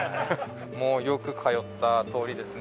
もうよく通った通りですね。